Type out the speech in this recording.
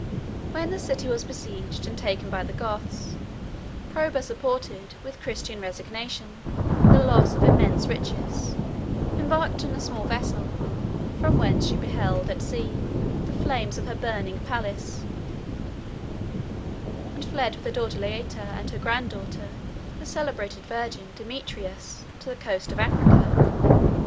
When the city was besieged and taken by the Goths, Proba supported, with Christian resignation, the loss of immense riches; embarked in a small vessel, from whence she beheld, at sea, the flames of her burning palace, and fled with her daughter Laeta, and her granddaughter, the celebrated virgin, Demetrias, to the coast of Africa.